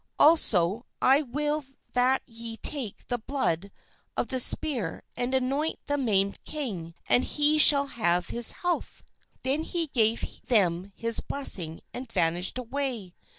Also I will that ye take the blood of the spear and anoint the maimed king, and he shall have his health." Then he gave them his blessing and vanished away.